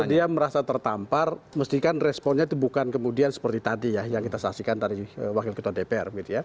kalau dia merasa tertampar mestikan responnya itu bukan kemudian seperti tadi ya yang kita saksikan tadi wakil ketua dpr